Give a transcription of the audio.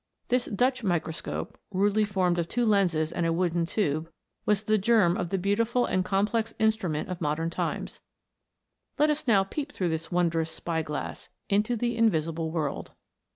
This Dutch microscope, rudely formed of two lenses and a wooden tube, was the germ of the beautiful and complex instrument of modern times. Let us now peep through this wondrous spy glass into the invisible world.